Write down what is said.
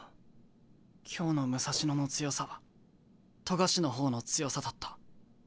今日の武蔵野の強さは冨樫の方の強さだった。